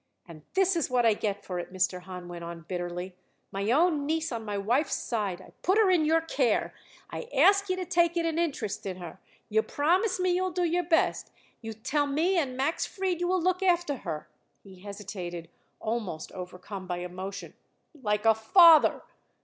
"And this is what I get for it," Mr. Hahn went on bitterly. "My own niece on my wife's side, I put her in your care. I ask you to take it an interest in her. You promise me you will do your best. You tell me and Max Fried you will look after her" he hesitated, almost overcome by emotion "like a father.